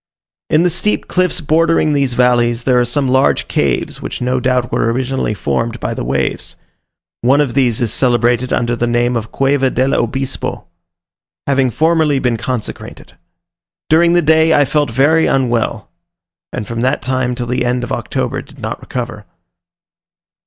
In the steep cliffs bordering these valleys, there are some large caves, which no doubt were originally formed by the waves: one of these is celebrated under the name of Cueva del Obispo; having formerly been consecrated. During the day I felt very unwell, and from that time till the end of October did not recover.